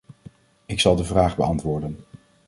Ik zal de vraag beantwoorden.